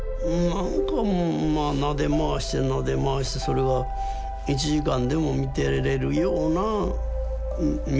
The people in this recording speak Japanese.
なんかもうまあなで回してなで回してそれが１時間でも見てれるような魅力があるんですよね。